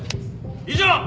以上！